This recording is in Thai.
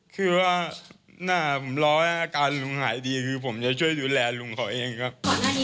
คือว่าหน้าผมรอให้อาการลุงหายดีคือผมจะช่วยดูแลลุงเขาเองครับ